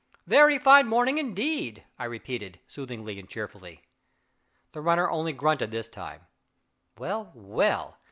"Very fine morning, indeed," I repeated, soothingly and cheerfully. The runner only grunted this time. Well, well!